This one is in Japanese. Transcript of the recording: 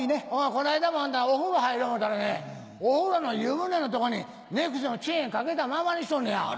こないだもお風呂入ろう思うたらねお風呂の湯船のとこにネックレスのチェーンかけたままにしとんねや。